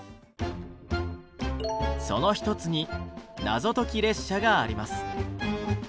その一つに「謎解列車」があります。